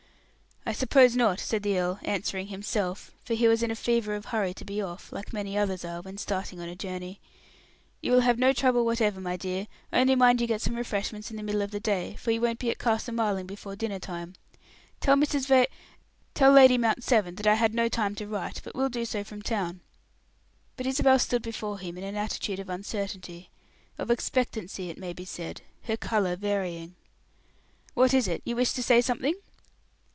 "I suppose not," said the earl, answering himself, for he was in a fever of hurry to be off, like many others are when starting on a journey. "You will have no trouble whatever, my dear; only mind you get some refreshments in the middle of the day, for you won't be at Castle Marling before dinner time. Tell Mrs. Va tell Lady Mount Severn that I had no time to write, but will do so from town." But Isabel stood before him in an attitude of uncertainty of expectancy, it may be said, her color varying. "What is it, you wish to say something?"